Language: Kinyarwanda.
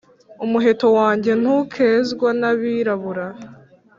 Umuheto wanjye ntukezwa n’abirabura.